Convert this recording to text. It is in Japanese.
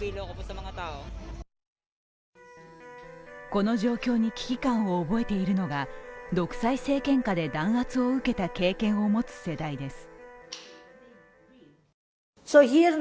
この状況に危機感を覚えているのが独裁政権下で弾圧を受けた経験を持つ世代です。